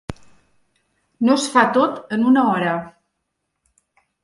No es fa tot en una hora.